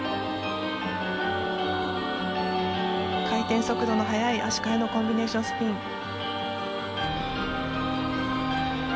回転速度の速い足換えのコンビネーションスピン。